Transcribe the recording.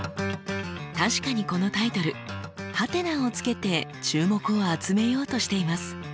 確かにこのタイトル「？」をつけて注目を集めようとしています。